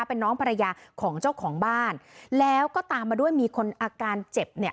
เป็นน้องภรรยาของเจ้าของบ้านแล้วก็ตามมาด้วยมีคนอาการเจ็บเนี่ย